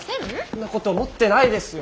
んなこと思ってないですよ。